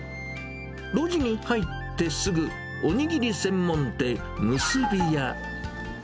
路地に入ってすぐ、おにぎり専門店、むすびや。